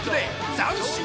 斬新！